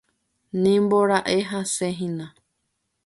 nimbora'e hasẽhína